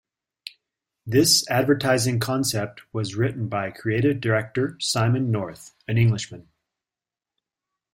This advertising concept was written by Creative Director Simon North, an Englishman.